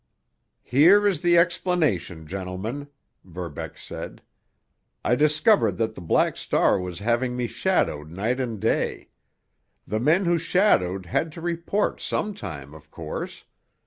"Here is the explanation, gentlemen," Verbeck said. "I discovered that the Black Star was having me shadowed night and day. The men who shadowed had to report some time, of course.